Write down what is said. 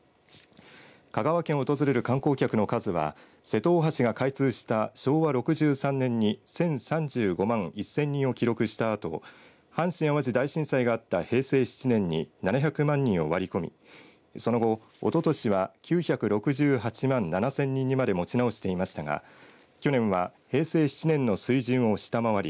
香川県を訪れる観光客の数は瀬戸大橋が開通した昭和６３年に１０３５万１０００人を記録したあと阪神淡路大震災があった平成７年に７００万人を割り込みその後、おととしは９６８万７０００人にまで持ち直していましたが去年は平成７年の水準を下回り